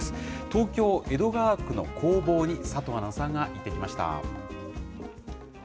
東京・江戸川区の工房に、佐藤アナウンサーが行ってきました。